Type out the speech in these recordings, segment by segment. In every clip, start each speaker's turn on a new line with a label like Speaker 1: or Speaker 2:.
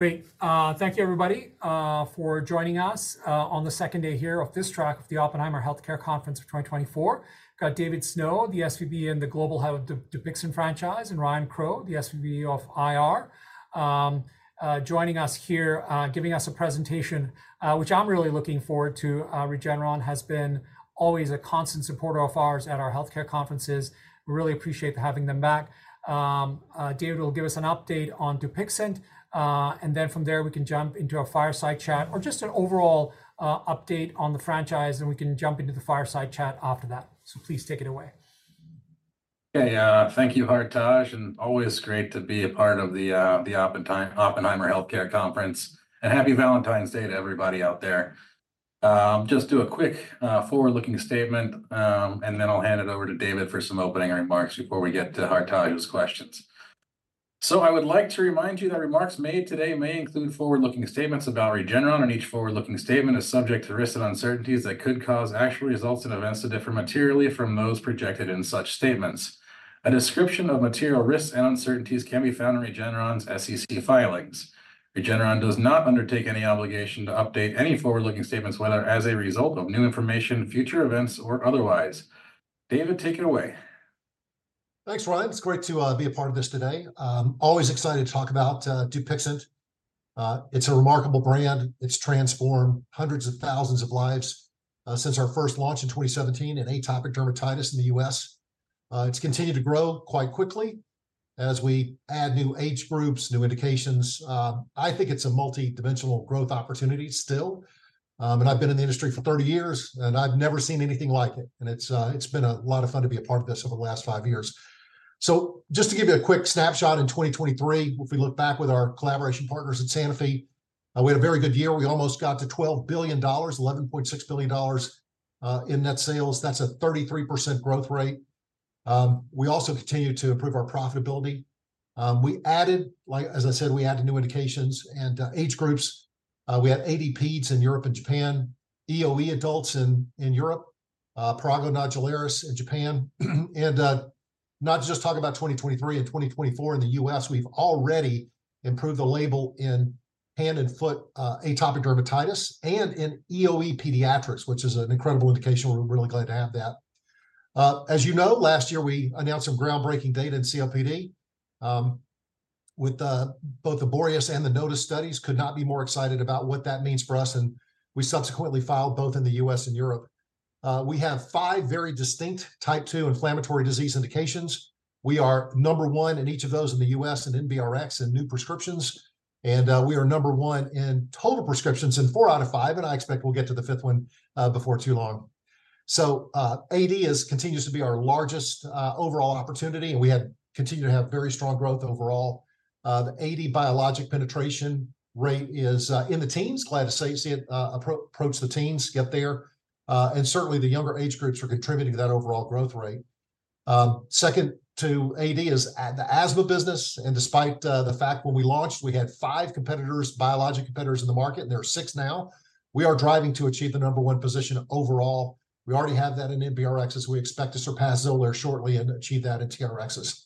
Speaker 1: Great. Thank you, everybody, for joining us on the second day here of this track of the Oppenheimer Healthcare Conference of 2024. Got David Snow, the SVP and the Global Head of Dupixent franchise, and Ryan Crowe, the SVP of IR, joining us here, giving us a presentation, which I'm really looking forward to. Regeneron has been always a constant supporter of ours at our healthcare conferences. We really appreciate having them back. David will give us an update on Dupixent, and then from there we can jump into our fireside chat or just an overall update on the franchise, and we can jump into the fireside chat after that. So please take it away.
Speaker 2: Okay. Thank you, Hartaj, and always great to be a part of the Oppenheimer Healthcare Conference. Happy Valentine's Day to everybody out there. Just do a quick forward-looking statement, and then I'll hand it over to David for some opening remarks before we get to Hartaj's questions. So I would like to remind you that remarks made today may include forward-looking statements about Regeneron, and each forward-looking statement is subject to risks and uncertainties that could cause actual results and events to differ materially from those projected in such statements. A description of material risks and uncertainties can be found in Regeneron's SEC filings. Regeneron does not undertake any obligation to update any forward-looking statements, whether as a result of new information, future events, or otherwise. David, take it away.
Speaker 3: Thanks, Ryan. It's great to be a part of this today. Always excited to talk about Dupixent. It's a remarkable brand. It's transformed hundreds of thousands of lives, since our first launch in 2017 in atopic dermatitis in the U.S. It's continued to grow quite quickly as we add new age groups, new indications. I think it's a multi-dimensional growth opportunity still. I've been in the industry for 30 years, and I've never seen anything like it. And it's been a lot of fun to be a part of this over the last five years. So just to give you a quick snapshot in 2023, if we look back with our collaboration partners at Sanofi, we had a very good year. We almost got to $12 billion, $11.6 billion, in net sales. That's a 33% growth rate. We also continue to improve our profitability. We added, like, as I said, we added new indications and age groups. We had AD in Europe and Japan, EoE adults in Europe, prurigo nodularis in Japan. Not to just talk about 2023 and 2024 in the US, we've already improved the label in hand and foot atopic dermatitis and in EoE pediatrics, which is an incredible indication. We're really glad to have that. As you know, last year we announced some groundbreaking data in COPD with both the BOREAS and the NOTUS studies. Could not be more excited about what that means for us. We subsequently filed both in the US and Europe. We have five very distinct type 2 inflammatory disease indications. We are number one in each of those in the US and NBRx and new prescriptions. We are number one in total prescriptions in four out of five, and I expect we'll get to the fifth one before too long. AD continues to be our largest overall opportunity, and we continue to have very strong growth overall. The AD biologic penetration rate is in the teens. Glad to see it approach the teens, get there. And certainly the younger age groups are contributing to that overall growth rate. Second to AD is the asthma business. Despite the fact when we launched, we had five competitors, biologic competitors in the market, and there are six now. We are driving to achieve the number one position overall. We already have that in NBRx, as we expect to surpass Xolair shortly and achieve that in TRxs.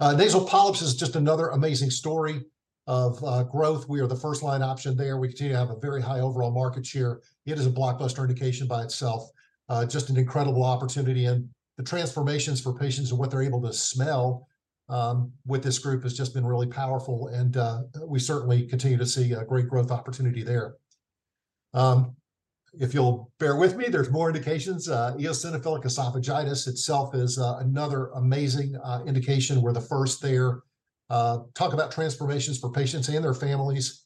Speaker 3: Nasal polyps is just another amazing story of growth. We are the first-line option there. We continue to have a very high overall market share. It is a blockbuster indication by itself, just an incredible opportunity. And the transformations for patients and what they're able to smell, with this group has just been really powerful. And, we certainly continue to see a great growth opportunity there. If you'll bear with me, there's more indications. eosinophilic esophagitis itself is, another amazing, indication. We're the first there, talk about transformations for patients and their families.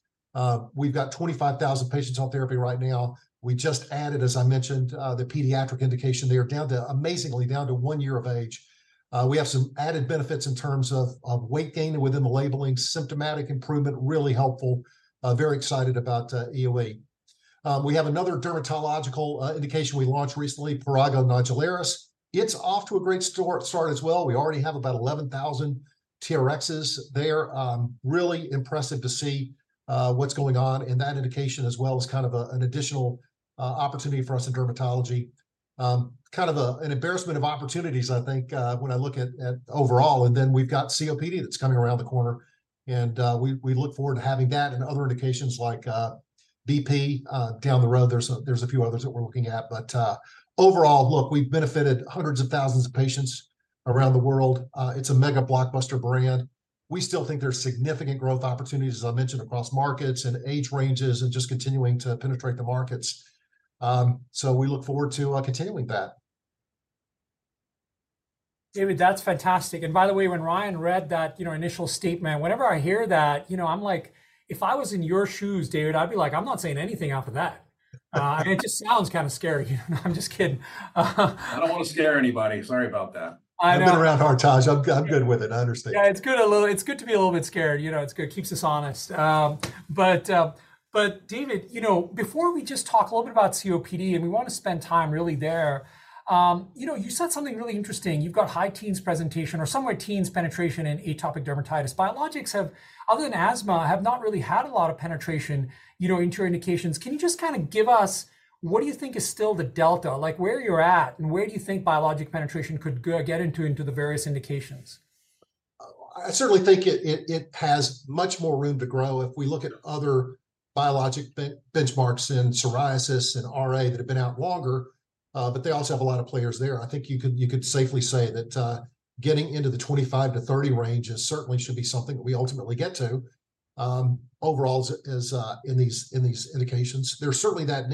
Speaker 3: We've got 25,000 patients on therapy right now. We just added, as I mentioned, the pediatric indication there, down to amazingly down to one year of age. We have some added benefits in terms of, of weight gain within the labeling, symptomatic improvement, really helpful. Very excited about, EoE. We have another dermatological, indication we launched recently, prurigo nodularis. It's off to a great start as well. We already have about 11,000 TRx there. Really impressive to see what's going on in that indication as well as kind of an additional opportunity for us in dermatology. Kind of an embarrassment of opportunities, I think, when I look at overall. And then we've got COPD that's coming around the corner. We look forward to having that and other indications like BP down the road. There's a few others that we're looking at. But overall, look, we've benefited hundreds of thousands of patients around the world. It's a mega blockbuster brand. We still think there's significant growth opportunities, as I mentioned, across markets and age ranges and just continuing to penetrate the markets. So we look forward to continuing that.
Speaker 1: David, that's fantastic. And by the way, when Ryan read that, you know, initial statement, whenever I hear that, you know, I'm like, if I was in your shoes, David, I'd be like, "I'm not saying anything after that." and it just sounds kind of scary. I'm just kidding.
Speaker 2: I don't want to scare anybody. Sorry about that.
Speaker 1: I know.
Speaker 3: I've been around Hartaj. I'm good with it. I understand.
Speaker 1: Yeah, it's good to be a little bit scared. You know, it's good. Keeps us honest. But David, you know, before we just talk a little bit about COPD, and we want to spend time really there, you know, you said something really interesting. You've got high teens penetration or somewhere teens penetration in atopic dermatitis. Biologics have, other than asthma, have not really had a lot of penetration, you know, into your indications. Can you just kind of give us what do you think is still the delta? Like, where you're at and where do you think biologic penetration could get into the various indications?
Speaker 3: I certainly think it has much more room to grow if we look at other biologic benchmarks in psoriasis and RA that have been out longer. But they also have a lot of players there. I think you could safely say that getting into the 25-30 range certainly should be something that we ultimately get to overall in these indications. There's certainly that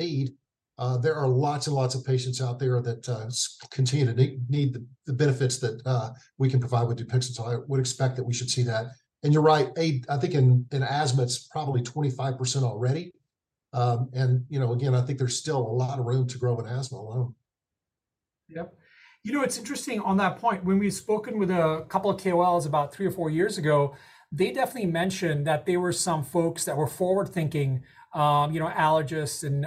Speaker 3: need. There are lots and lots of patients out there that continue to need the benefits that we can provide with Dupixent. So I would expect that we should see that. And you're right. And I think in asthma it's probably 25% already. And you know, again, I think there's still a lot of room to grow in asthma alone.
Speaker 1: Yep. You know, it's interesting on that point. When we've spoken with a couple of KOLs about three or four years ago, they definitely mentioned that there were some folks that were forward-thinking, you know, allergists and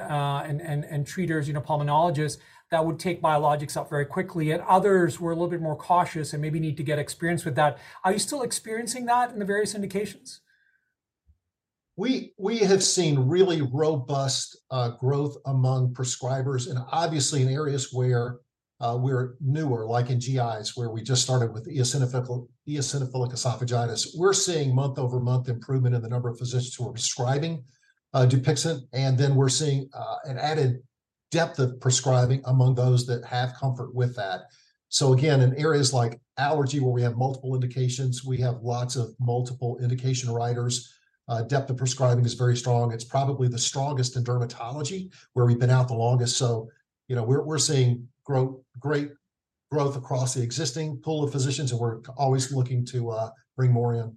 Speaker 1: treaters, you know, pulmonologists that would take biologics up very quickly. And others were a little bit more cautious and maybe need to get experience with that. Are you still experiencing that in the various indications?
Speaker 3: We have seen really robust growth among prescribers. Obviously in areas where we're newer, like in GIs where we just started with eosinophilic esophagitis, we're seeing month-over-month improvement in the number of physicians who are prescribing Dupixent. Then we're seeing an added depth of prescribing among those that have comfort with that. So again, in areas like allergy where we have multiple indications, we have lots of multiple indication writers. Depth of prescribing is very strong. It's probably the strongest in dermatology where we've been out the longest. So you know, we're seeing growth, great growth across the existing pool of physicians, and we're always looking to bring more in.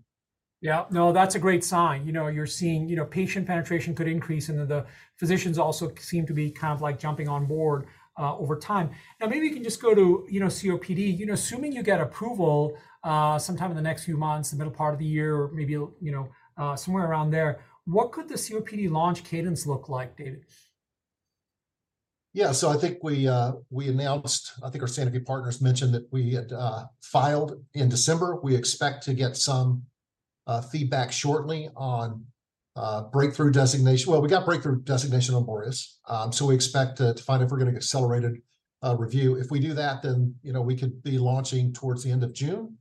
Speaker 1: Yeah. No, that's a great sign. You know, you're seeing, you know, patient penetration could increase, and then the physicians also seem to be kind of like jumping on board, over time. Now, maybe we can just go to, you know, COPD. You know, assuming you get approval, sometime in the next few months, the middle part of the year, or maybe, you know, somewhere around there, what could the COPD launch cadence look like, David?
Speaker 3: Yeah. So I think we announced, I think our Sanofi partners mentioned that we had filed in December. We expect to get some feedback shortly on breakthrough designation. Well, we got breakthrough designation on BOREAS. So we expect to find out if we're going to get accelerated review. If we do that, then, you know, we could be launching towards the end of June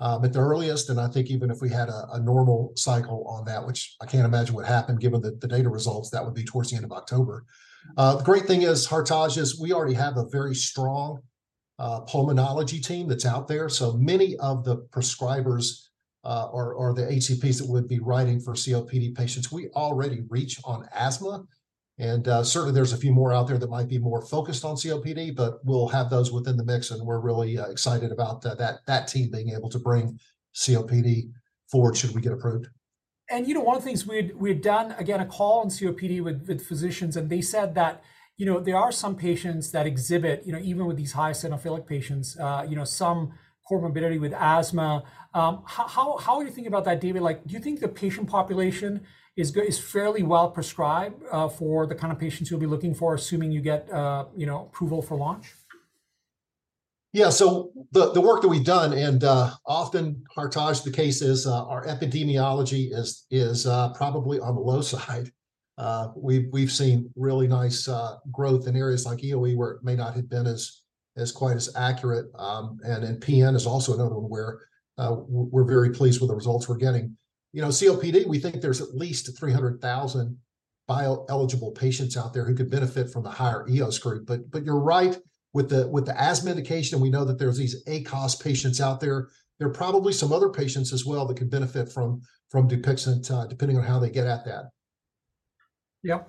Speaker 3: at the earliest, and I think even if we had a normal cycle on that, which I can't imagine what happened given the data results, that would be towards the end of October. The great thing is, Hartaj, we already have a very strong pulmonology team that's out there. So many of the prescribers are the HCPs that would be writing for COPD patients. We already reach on asthma. Certainly, there's a few more out there that might be more focused on COPD, but we'll have those within the mix. And we're really excited about that team being able to bring COPD forward should we get approved.
Speaker 1: You know, one of the things we had done, again, a call on COPD with physicians, and they said that, you know, there are some patients that exhibit, you know, even with these high eosinophilic patients, you know, some comorbidity with asthma. How are you thinking about that, David? Like, do you think the patient population is good, is fairly well prescribed, for the kind of patients you'll be looking for, assuming you get, you know, approval for launch?
Speaker 3: Yeah. So the work that we've done and, often, Hartaj, the case is, our epidemiology is probably on the low side. We've seen really nice growth in areas like EoE where it may not have been as quite as accurate. And PN is also another one where we're very pleased with the results we're getting. You know, COPD, we think there's at least 300,000 bioeligible patients out there who could benefit from the higher EOS group. But you're right with the asthma indication. We know that there's these ACOS patients out there. There are probably some other patients as well that could benefit from Dupixent, depending on how they get at that.
Speaker 1: Yep.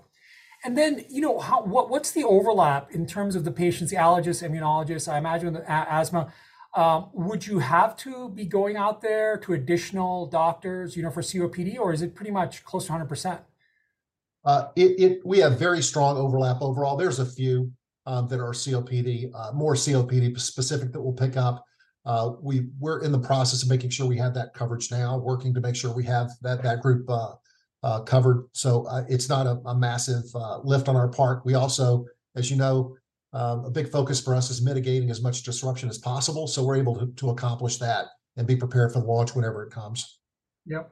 Speaker 1: And then, you know, what, what's the overlap in terms of the patients, the allergists, immunologists? I imagine with asthma, would you have to be going out there to additional doctors, you know, for COPD, or is it pretty much close to 100%?
Speaker 3: It, we have very strong overlap overall. There's a few that are COPD, more COPD specific that we'll pick up. We're in the process of making sure we have that coverage now, working to make sure we have that group covered. So, it's not a massive lift on our part. We also, as you know, a big focus for us is mitigating as much disruption as possible. So we're able to accomplish that and be prepared for the launch whenever it comes.
Speaker 1: Yep.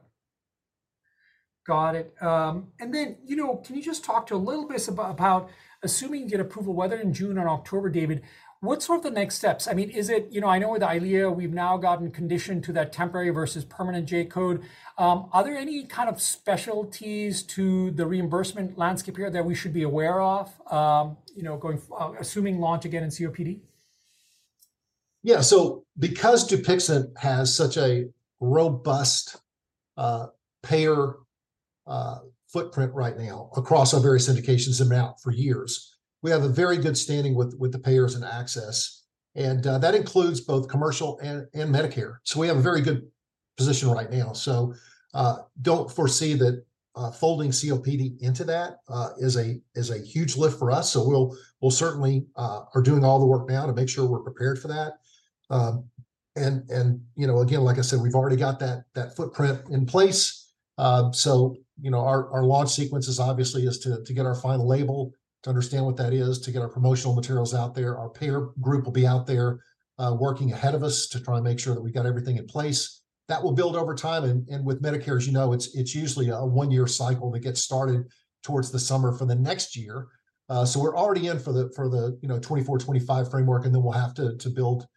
Speaker 1: Got it. And then, you know, can you just talk a little bit about, assuming you get approval, whether in June or October, David, what's sort of the next steps? I mean, is it, you know, I know with EYLEA, we've now gotten conditioned to that temporary versus permanent J code. Are there any kind of specialties to the reimbursement landscape here that we should be aware of, you know, going assuming launch again in COPD?
Speaker 3: Yeah. So because Dupixent has such a robust payer footprint right now across our various indications and out for years, we have a very good standing with the payers and access. And that includes both commercial and Medicare. So we have a very good position right now. So don't foresee that folding COPD into that is a huge lift for us. So we'll certainly are doing all the work now to make sure we're prepared for that. And you know, again, like I said, we've already got that footprint in place. So you know, our launch sequence is obviously to get our final label, to understand what that is, to get our promotional materials out there. Our payer group will be out there working ahead of us to try and make sure that we've got everything in place. That will build over time. And with Medicare, as you know, it's usually a one-year cycle that gets started towards the summer for the next year. So we're already in for the, you know, 2024-2025 framework, and then we'll have to build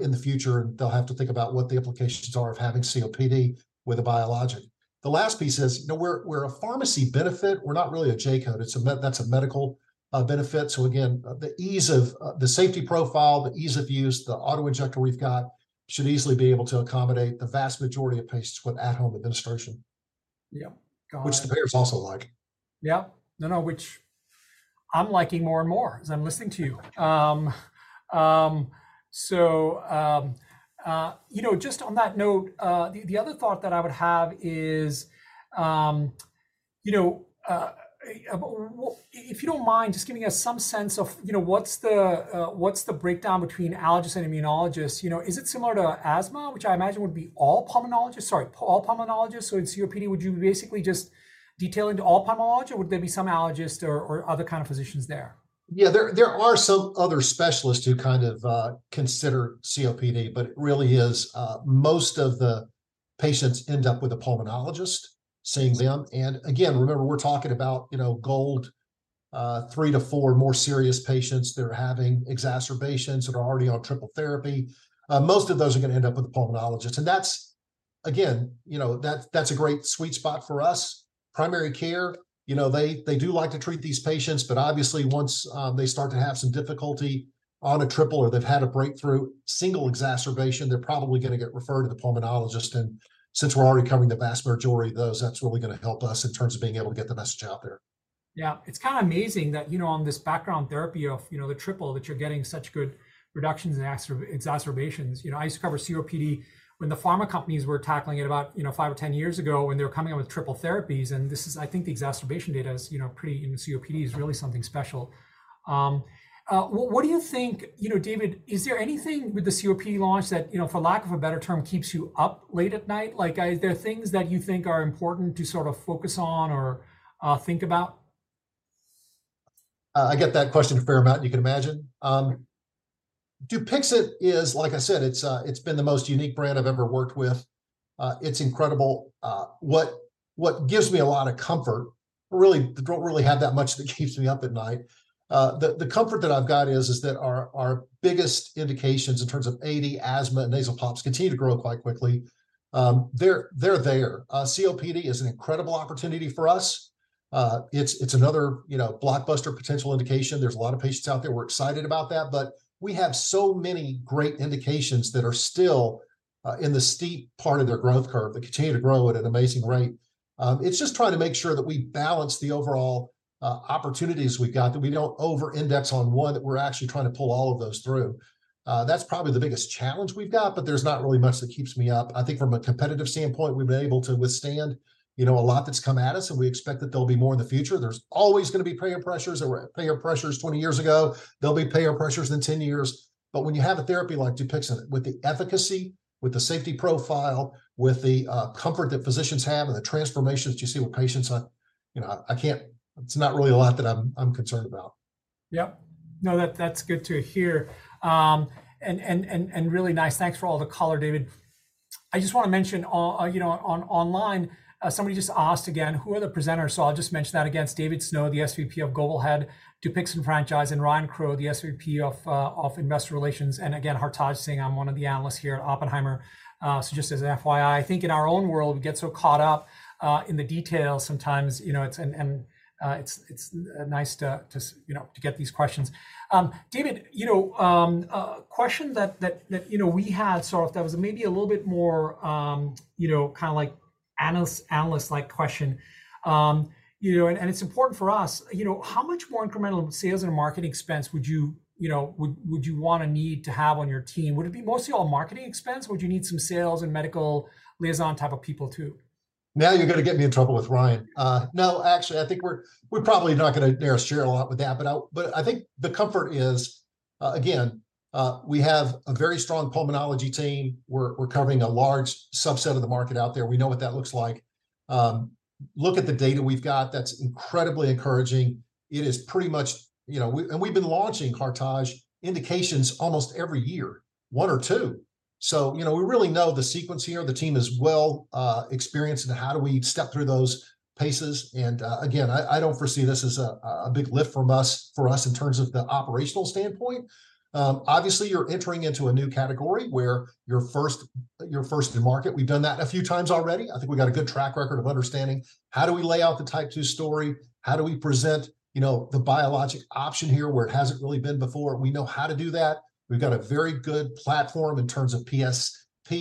Speaker 3: in the future. And they'll have to think about what the implications are of having COPD with a biologic. The last piece is, you know, we're a pharmacy benefit. We're not really a J code. It's a medical benefit. So again, the ease of, the safety profile, the ease of use, the autoinjector we've got should easily be able to accommodate the vast majority of patients with at-home administration.
Speaker 1: Yep. Got it.
Speaker 3: Which the payers also like.
Speaker 1: Yeah. No, no. Which I'm liking more and more as I'm listening to you. So, you know, just on that note, the other thought that I would have is, you know, what's the breakdown between allergists and immunologists? You know, is it similar to asthma, which I imagine would be all pulmonologists? Sorry, all pulmonologists. So in COPD, would you be basically just detailing to all pulmonologists, or would there be some allergist or other kind of physicians there?
Speaker 3: Yeah. There are some other specialists who kind of consider COPD, but it really is most of the patients end up with a pulmonologist seeing them. And again, remember, we're talking about, you know, GOLD 3-4 more serious patients that are having exacerbations that are already on triple therapy. Most of those are going to end up with a pulmonologist. And that's, again, you know, that's a great sweet spot for us. Primary care, you know, they do like to treat these patients, but obviously once they start to have some difficulty on a triple or they've had a breakthrough single exacerbation, they're probably going to get referred to the pulmonologist. And since we're already covering the vast majority of those, that's really going to help us in terms of being able to get the message out there.
Speaker 1: Yeah. It's kind of amazing that, you know, on this background therapy of, you know, the triple that you're getting such good reductions in exacerbations. You know, I used to cover COPD when the pharma companies were tackling it about, you know, five or 10 years ago when they were coming up with triple therapies. And this is, I think the exacerbation data is, you know, pretty in COPD is really something special. What, what do you think, you know, David? Is there anything with the COPD launch that, you know, for lack of a better term, keeps you up late at night? Like, are there things that you think are important to sort of focus on or think about?
Speaker 3: I get that question a fair amount, you can imagine. DUPIXENT is, like I said, it's been the most unique brand I've ever worked with. It's incredible. What gives me a lot of comfort, I really don't have that much that keeps me up at night. The comfort that I've got is that our biggest indications in terms of AD, asthma, and nasal polyps continue to grow quite quickly. They're there. COPD is an incredible opportunity for us. It's another, you know, blockbuster potential indication. There's a lot of patients out there. We're excited about that. But we have so many great indications that are still in the steep part of their growth curve that continue to grow at an amazing rate. It's just trying to make sure that we balance the overall opportunities we've got, that we don't over-index on one that we're actually trying to pull all of those through. That's probably the biggest challenge we've got, but there's not really much that keeps me up. I think from a competitive standpoint, we've been able to withstand, you know, a lot that's come at us, and we expect that there'll be more in the future. There's always going to be payer pressures. There were payer pressures 20 years ago. There'll be payer pressures in 10 years. But when you have a therapy like Dupixent with the efficacy, with the safety profile, with the comfort that physicians have and the transformations that you see with patients, I, you know, I, I can't. It's not really a lot that I'm, I'm concerned about.
Speaker 1: Yep. No, that's good to hear. And really nice. Thanks for all the color, David. I just want to mention, you know, online, somebody just asked again, who are the presenters? So I'll just mention that again. It's David Snow, the SVP and Global Head, Dupixent franchise, and Ryan Crowe, the SVP of Investor Relations. And again, Hartaj saying I'm one of the analysts here at Oppenheimer. So just as an FYI, I think in our own world, we get so caught up in the details sometimes, you know, it's nice to get these questions. David, you know, a question that we had sort of that was maybe a little bit more kind of like analyst-like question. You know, it's important for us, you know, how much more incremental sales and marketing expense would you, you know, want to need to have on your team? Would it be mostly all marketing expense? Would you need some sales and medical liaison type of people too?
Speaker 3: Now you're going to get me in trouble with Ryan. No, actually, I think we're probably not going to narrow share a lot with that. But I think the comfort is, again, we have a very strong pulmonology team. We're covering a large subset of the market out there. We know what that looks like. Look at the data we've got. That's incredibly encouraging. It is pretty much, you know, we and we've been launching heritage indications almost every year, one or two. So, you know, we really know the sequence here. The team is well experienced in how do we step through those paces. And again, I don't foresee this as a big lift from us for us in terms of the operational standpoint. Obviously, you're entering into a new category where you're first in market. We've done that a few times already. I think we've got a good track record of understanding how do we lay out the Type 2 story, how do we present, you know, the biologic option here where it hasn't really been before. We know how to do that. We've got a very good platform in terms of PSP,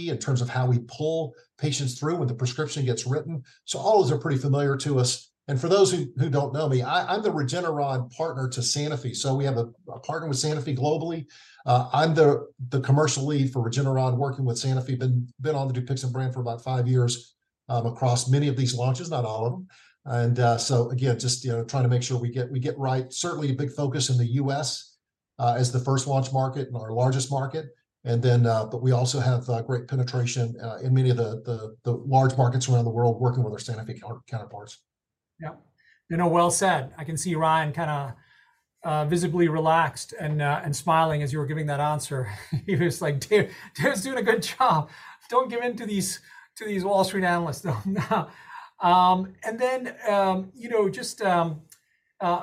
Speaker 3: in terms of how we pull patients through when the prescription gets written. So all those are pretty familiar to us. And for those who don't know me, I'm the Regeneron partner to Sanofi. So we have a partner with Sanofi globally. I'm the commercial lead for Regeneron working with Sanofi. Been on the Dupixent brand for about five years, across many of these launches, not all of them. And so again, just, you know, trying to make sure we get right. Certainly a big focus in the U.S., as the first launch market and our largest market. And then, but we also have great penetration in many of the large markets around the world working with our Sanofi counterparts.
Speaker 1: Yep. You know, well said. I can see Ryan kind of visibly relaxed and smiling as you were giving that answer. He was like, "Dave, Dave's doing a good job. Don't give in to these to these Wall Street analysts, though." And then, you know, just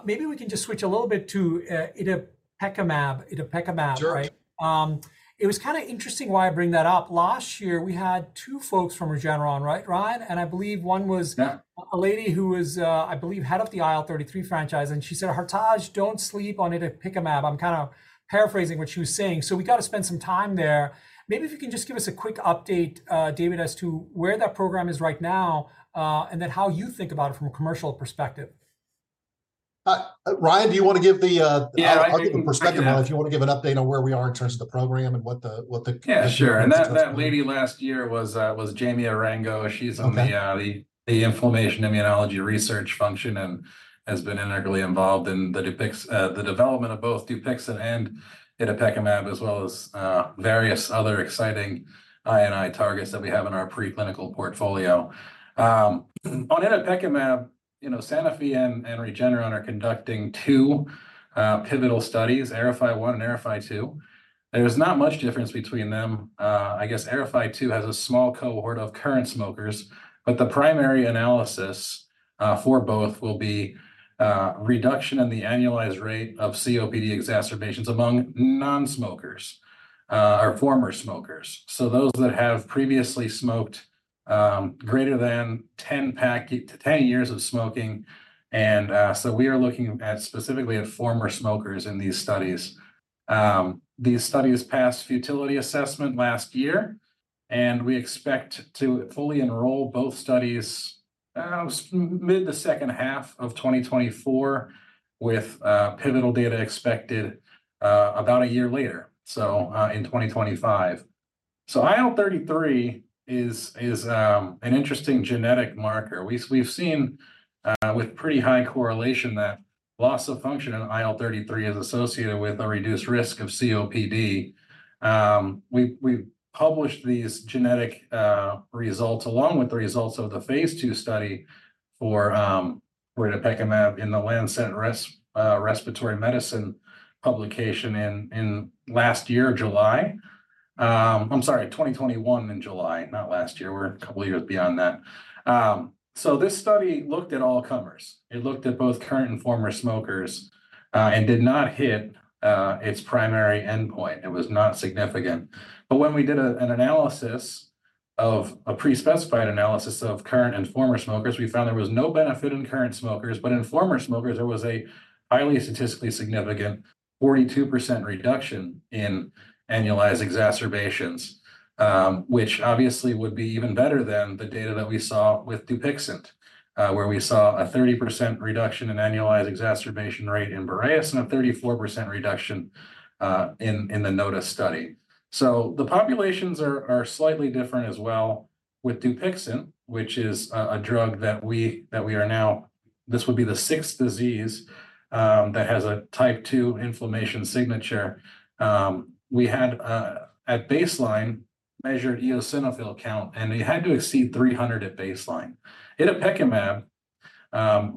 Speaker 1: maybe we can just switch a little bit to itepekimab, itepekimab, right?
Speaker 3: Sure.
Speaker 1: It was kind of interesting why I bring that up. Last year, we had two folks from Regeneron, right, Ryan? And I believe one was a lady who was, I believe, head of the IL-33 franchise. And she said, "Hartaj, don't sleep on itepekimab." I'm kind of paraphrasing what she was saying. So we got to spend some time there. Maybe if you can just give us a quick update, David, as to where that program is right now, and then how you think about it from a commercial perspective.
Speaker 3: Ryan, do you want to give the perspective on it? If you want to give an update on where we are in terms of the program and what the.
Speaker 2: Yeah, sure. That lady last year was Jamie Orengo. She's on the immunology and inflammation research function and has been integrally involved in the development of both Dupixent and itepekimab, as well as various other exciting INI targets that we have in our preclinical portfolio. On itepekimab, you know, Sanofi and Regeneron are conducting 2 pivotal studies, AERIFY-1 and AERIFY-2. There's not much difference between them. I guess AERIFY-2 has a small cohort of current smokers, but the primary analysis for both will be reduction in the annualized rate of COPD exacerbations among nonsmokers or former smokers. So those that have previously smoked greater than 10 pack-years of smoking. So we are looking specifically at former smokers in these studies. These studies passed futility assessment last year, and we expect to fully enroll both studies mid the second half of 2024 with pivotal data expected about a year later, so in 2025. So IL-33 is an interesting genetic marker. We've seen with pretty high correlation that loss of function in IL-33 is associated with a reduced risk of COPD. We published these genetic results along with the results of the phase 2 study for itepekimab in The Lancet Respiratory Medicine publication in last year, July. I'm sorry, 2021 in July, not last year. We're a couple of years beyond that. So this study looked at all comers. It looked at both current and former smokers, and did not hit its primary endpoint. It was not significant. But when we did an analysis of a pre-specified analysis of current and former smokers, we found there was no benefit in current smokers, but in former smokers, there was a highly statistically significant 42% reduction in annualized exacerbations, which obviously would be even better than the data that we saw with DUPIXENT, where we saw a 30% reduction in annualized exacerbation rate in BOREAS and a 34% reduction in the NOTUS study. So the populations are slightly different as well with DUPIXENT, which is a drug that we are now—this would be the sixth disease that has a Type 2 inflammation signature. We had, at baseline, measured eosinophil count, and it had to exceed 300 at baseline. Itepekimab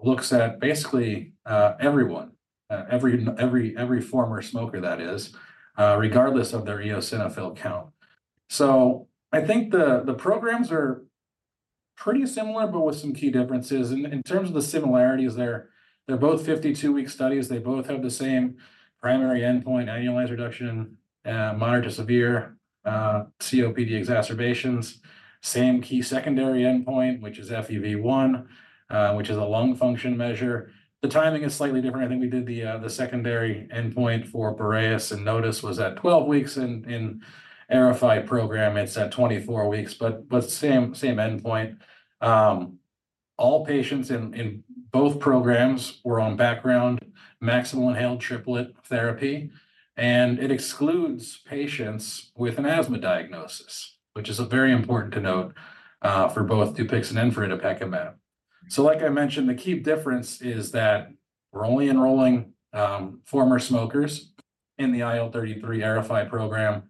Speaker 2: looks at basically everyone, every former smoker that is, regardless of their eosinophil count. So I think the programs are pretty similar, but with some key differences. In terms of the similarities, they're both 52-week studies. They both have the same primary endpoint, annualized reduction, moderate to severe, COPD exacerbations, same key secondary endpoint, which is FEV1, which is a lung function measure. The timing is slightly different. I think we did the secondary endpoint for BOREAS and NOTUS was at 12 weeks. And in AERIFY program, it's at 24 weeks, but same endpoint. All patients in both programs were on background maximal inhaled triplet therapy, and it excludes patients with an asthma diagnosis, which is very important to note, for both Dupixent and for itepekimab. So like I mentioned, the key difference is that we're only enrolling former smokers in the IL-33 AERIFY program.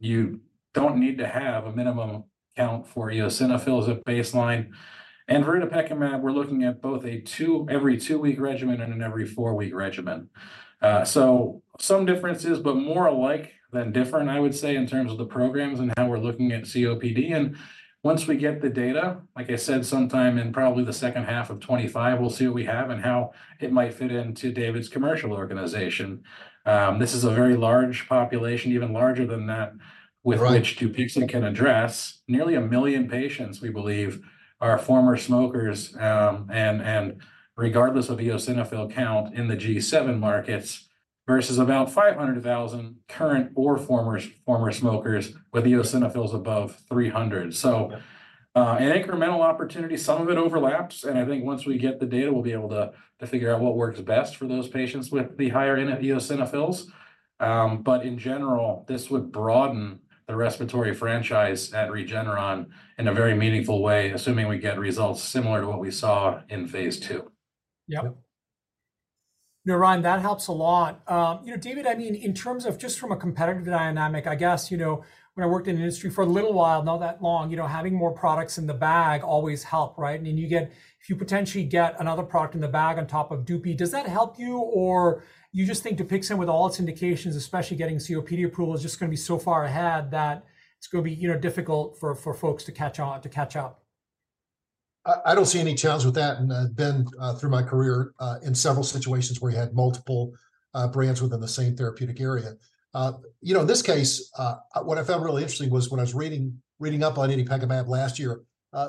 Speaker 2: You don't need to have a minimum count for eosinophils at baseline. And for itepekimab, we're looking at both a 2 every 2-week regimen and an every 4-week regimen. So some differences, but more alike than different, I would say, in terms of the programs and how we're looking at COPD. And once we get the data, like I said, sometime in probably the second half of 2025, we'll see what we have and how it might fit into David's commercial organization. This is a very large population, even larger than that, with which Dupixent can address nearly a million patients, we believe, are former smokers, and regardless of eosinophil count in the G7 markets versus about 500,000 current or former smokers with eosinophils above 300. So, an incremental opportunity, some of it overlaps. I think once we get the data, we'll be able to to figure out what works best for those patients with the higher eosinophils. But in general, this would broaden the respiratory franchise at Regeneron in a very meaningful way, assuming we get results similar to what we saw in Phase 2.
Speaker 1: Yep. No, Ryan, that helps a lot. You know, David, I mean, in terms of just from a competitive dynamic, I guess, you know, when I worked in the industry for a little while, not that long, you know, having more products in the bag always help, right? I mean, you get if you potentially get another product in the bag on top of Dupi, does that help you? Or you just think Dupixent, with all its indications, especially getting COPD approval, is just going to be so far ahead that it's going to be, you know, difficult for, for folks to catch on, to catch up?
Speaker 3: I don't see any challenge with that. And I've been, through my career, in several situations where we had multiple brands within the same therapeutic area. You know, in this case, what I found really interesting was when I was reading up on itepekimab last year,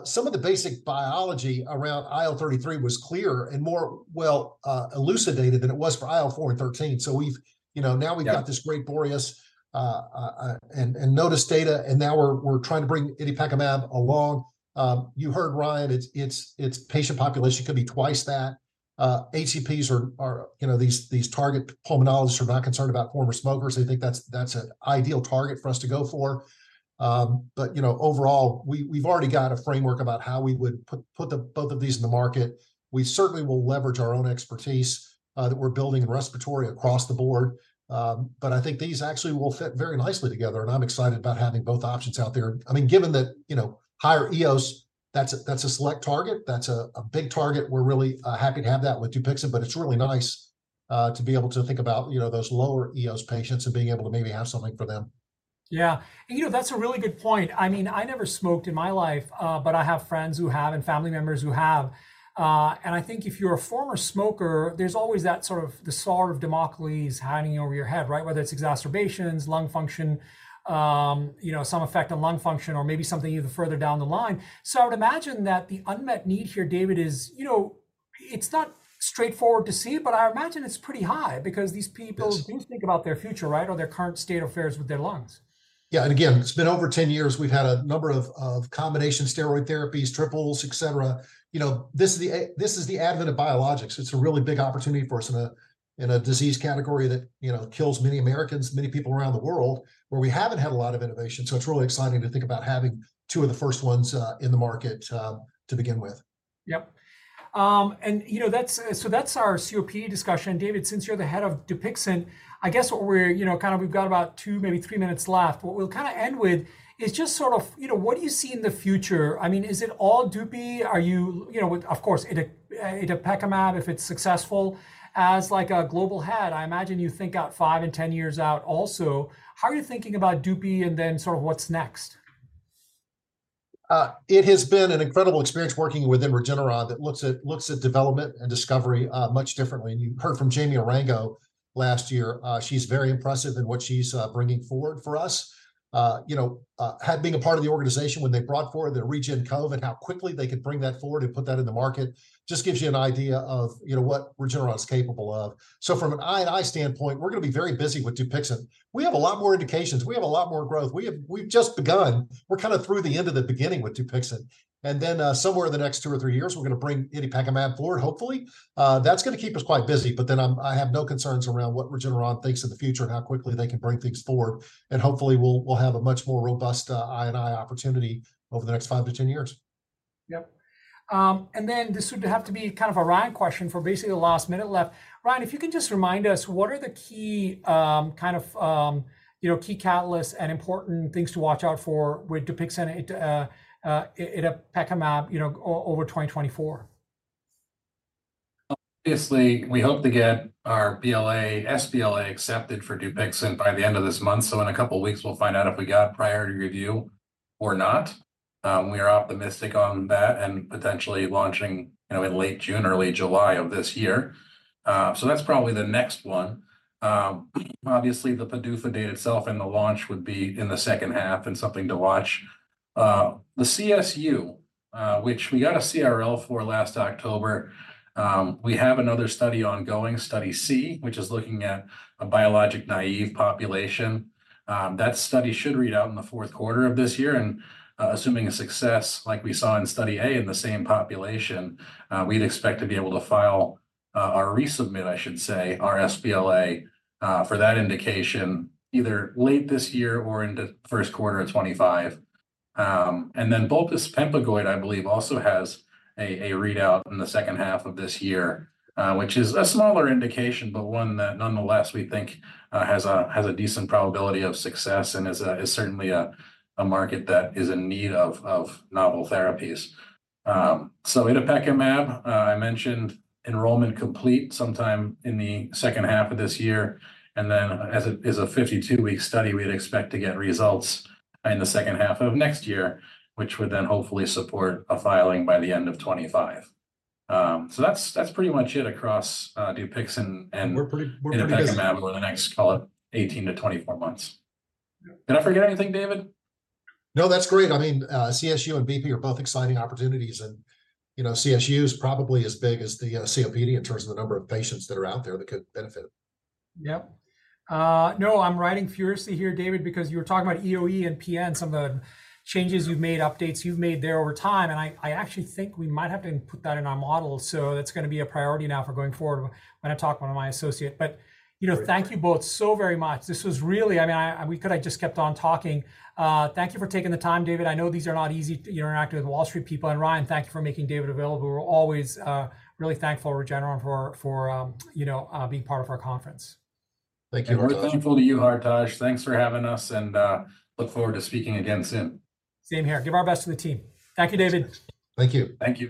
Speaker 3: some of the basic biology around IL-33 was clear and more, well, elucidated than it was for IL-4 and IL-13. So we've, you know, now we've got this great BOREAS, and notice data. And now we're trying to bring itepekimab along. You heard, Ryan, its patient population could be twice that. HCPs are, you know, these target pulmonologists are not concerned about former smokers. They think that's an ideal target for us to go for. But you know, overall, we've already got a framework about how we would put both of these in the market. We certainly will leverage our own expertise that we're building in respiratory across the board. But I think these actually will fit very nicely together. And I'm excited about having both options out there. I mean, given that, you know, higher EOS, that's a select target. That's a big target. We're really happy to have that with Dupixent. But it's really nice to be able to think about, you know, those lower EOS patients and being able to maybe have something for them.
Speaker 1: Yeah. And, you know, that's a really good point. I mean, I never smoked in my life, but I have friends who have and family members who have. I think if you're a former smoker, there's always that sort of the sword of Damocles hanging over your head, right? Whether it's exacerbations, lung function, you know, some effect on lung function, or maybe something even further down the line. So I would imagine that the unmet need here, David, is, you know, it's not straightforward to see, but I imagine it's pretty high because these people do think about their future, right, or their current state of affairs with their lungs.
Speaker 3: Yeah. Again, it's been over 10 years. We've had a number of, of combination steroid therapies, triples, et cetera. You know, this is the advent of biologics. It's a really big opportunity for us in a disease category that, you know, kills many Americans, many people around the world, where we haven't had a lot of innovation. So it's really exciting to think about having two of the first ones, in the market, to begin with.
Speaker 1: Yep. And, you know, that's, so that's our COPD discussion. David, since you're the head of Dupixent, I guess what we're, you know, kind of we've got about 2, maybe 3 minutes left. What we'll kind of end with is just sort of, you know, what do you see in the future? I mean, is it all Dupi? Are you, you know, with, of course, itepekimab, if it's successful as like a global head, I imagine you think out 5 and 10 years out also. How are you thinking about Dupi and then sort of what's next?
Speaker 3: It has been an incredible experience working within Regeneron that looks at, looks at development and discovery much differently. You heard from Jamie Orengo last year. She's very impressive in what she's bringing forward for us. You know, having been a part of the organization when they brought forward REGEN-COV and how quickly they could bring that forward and put that in the market just gives you an idea of, you know, what Regeneron is capable of. So from an INI standpoint, we're going to be very busy with Dupixent. We have a lot more indications. We have a lot more growth. We have, we've just begun. We're kind of through the end of the beginning with Dupixent. And then, somewhere in the next two or three years, we're going to bring itepekimab forward, hopefully. That's going to keep us quite busy. But then I have no concerns around what Regeneron thinks in the future and how quickly they can bring things forward. Hopefully, we'll have a much more robust INI opportunity over the next 5-10 years.
Speaker 1: Yep. And then this would have to be kind of a Ryan question for basically the last minute left. Ryan, if you can just remind us, what are the key, kind of, you know, key catalysts and important things to watch out for with Dupixent, itepekimab, you know, over 2024?
Speaker 2: Obviously, we hope to get our BLA, sBLA accepted for Dupixent by the end of this month. So in a couple of weeks, we'll find out if we got priority review or not. We are optimistic on that and potentially launching, you know, in late June, early July of this year. So that's probably the next one. Obviously, the PDUFA date itself and the launch would be in the second half and something to watch. The CSU, which we got a CRL for last October, we have another study ongoing, study C, which is looking at a biologic naive population. That study should read out in the fourth quarter of this year. Assuming a success like we saw in study A in the same population, we'd expect to be able to file or resubmit, I should say, our sBLA for that indication either late this year or into the first quarter of 2025. And then bullous pemphigoid, I believe, also has a readout in the second half of this year, which is a smaller indication, but one that nonetheless we think has a decent probability of success and is certainly a market that is in need of novel therapies. So itepekimab, I mentioned enrollment complete sometime in the second half of this year. And then as it is a 52-week study, we'd expect to get results in the second half of next year, which would then hopefully support a filing by the end of 2025. That's, that's pretty much it across Dupixent and itepekimab over the next, call it, 18-24 months. Did I forget anything, David?
Speaker 3: No, that's great. I mean, CSU and BP are both exciting opportunities. And, you know, CSU is probably as big as the, COPD in terms of the number of patients that are out there that could benefit.
Speaker 1: Yep. No, I'm writing furiously here, David, because you were talking about EoE and PN, some of the changes you've made, updates you've made there over time. And I, I actually think we might have to put that in our model. So that's going to be a priority now for going forward when I talk to one of my associates. But, you know, thank you both so very much. This was really, I mean, I, we could have just kept on talking. Thank you for taking the time, David. I know these are not easy to interact with Wall Street people. And Ryan, thank you for making David available. We're always, really thankful to Regeneron for, for, you know, being part of our conference.
Speaker 2: Thank you. We're thankful to you, Hartaj. Thanks for having us. Look forward to speaking again soon.
Speaker 1: Same here. Give our best to the team. Thank you, David.
Speaker 3: Thank you.
Speaker 2: Thank you.